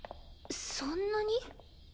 そんなに？